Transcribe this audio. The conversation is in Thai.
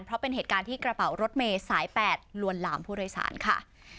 เพราะเป็นเหตุการณ์ที่กระเป๋ารถเมย์สาย๘ลวนลามผู้โดยสารค่ะ